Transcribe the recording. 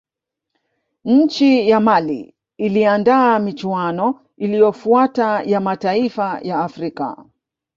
nchi ya mali iliandaa michuano iliyofuata ya mataifa ya afrika